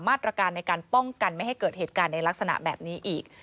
มาตรการในการป้องกันไม่ให้เกิดเหตุการณ์ในลักษณะแบบนี้อีก